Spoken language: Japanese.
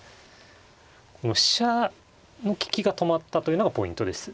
この飛車の利きが止まったというのがポイントです。